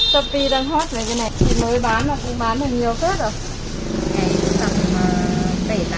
sopi đang hot này cái này mới bán mà cũng bán được nhiều hết rồi